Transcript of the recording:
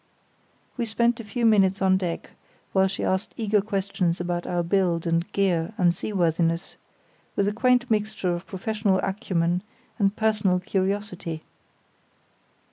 We spent a few minutes on deck while she asked eager questions about our build and gear and seaworthiness, with a quaint mixture of professional acumen and personal curiosity.